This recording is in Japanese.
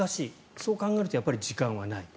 そう考えると時間はない。